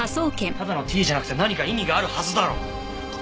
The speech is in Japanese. ただのＴじゃなくて何か意味があるはずだろ！